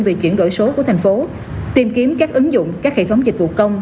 về chuyển đổi số của thành phố tìm kiếm các ứng dụng các hệ thống dịch vụ công